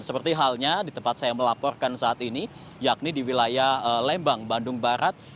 seperti halnya di tempat saya melaporkan saat ini yakni di wilayah lembang bandung barat